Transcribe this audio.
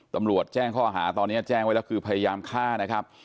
ตำรวจแจ้งข้อหาตอนนี้แจ้งไว้แล้วคือพยายามฆ่านะครับ